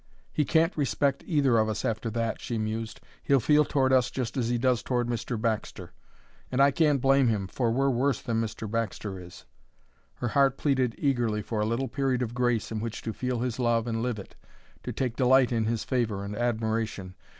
"He can't respect either of us after that," she mused. "He'll feel toward us just as he does toward Mr. Baxter; and I can't blame him, for we're worse than Mr. Baxter is." Her heart pleaded eagerly for a little period of grace in which to feel his love and live it, to take delight in his favor and admiration.